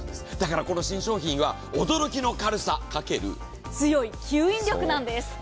この新商品は驚きの軽さかける強い吸引力なんです。